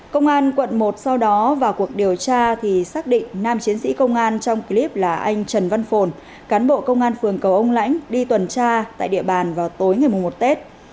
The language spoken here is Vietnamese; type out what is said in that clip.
công an quận một sau đó vào cuộc điều tra thì xác định nam chiến sĩ công an trong clip là anh trần văn phồn cán bộ công an phường cầu ông lãnh đi tuần tra tại địa bàn vào tối ngày một tết